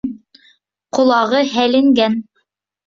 Ҡолағы һәленгән.